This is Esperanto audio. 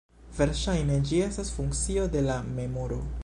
Verŝajne ĝi estas funkcio de la memoro.